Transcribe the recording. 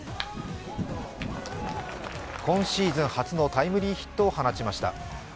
今シーズン初のタイムリーヒットを放ちました。